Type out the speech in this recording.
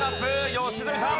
良純さん。